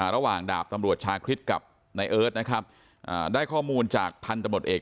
ระหว่างดาบตำรวจชาคริสต์กับนายเอิร์ทนะครับได้ข้อมูลจากพันธุ์ตำรวจเอก